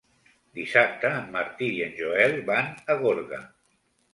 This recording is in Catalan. Dissabte en Martí i en Joel van a Gorga.